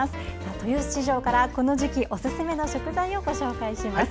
豊洲市場からこの時期おすすめの食材をご紹介します。